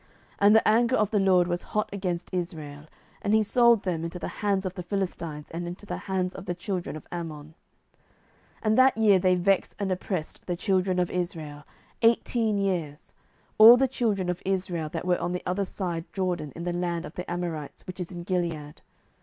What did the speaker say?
07:010:007 And the anger of the LORD was hot against Israel, and he sold them into the hands of the Philistines, and into the hands of the children of Ammon. 07:010:008 And that year they vexed and oppressed the children of Israel: eighteen years, all the children of Israel that were on the other side Jordan in the land of the Amorites, which is in Gilead.